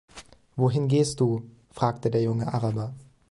„Wohin gehst du?“, fragte der junge Araber.